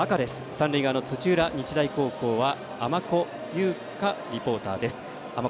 三塁側の土浦日大高校は尼子佑佳リポーターです。